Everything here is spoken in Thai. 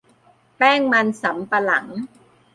แป้งมันสำปะหลัง